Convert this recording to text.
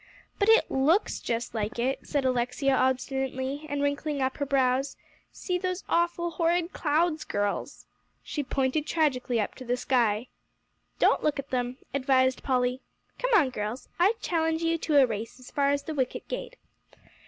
"But it looks just like it," said Alexia obstinately, and wrinkling up her brows; "see those awful, horrid clouds, girls." She pointed tragically up to the sky. "Don't look at them," advised Polly. "Come on, girls. I challenge you to a race as far as the wicket gate."